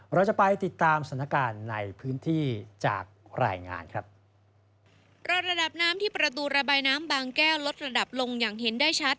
เราจะไปติดตามสถานการณ์ในพื้นที่จากรายงานครับโดยระดับน้ำที่ประตูระบายน้ำบางแก้วลดระดับลงอย่างเห็นได้ชัด